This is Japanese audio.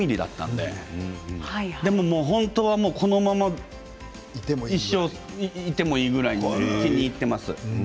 でも本当は、このまま一生いてもいいぐらい気に入っています。